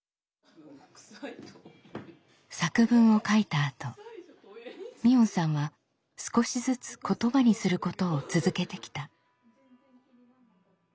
作文を書いたあと海音さんは少しずつ言葉にすることを続けてきた。